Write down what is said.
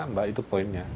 mbak itu poinnya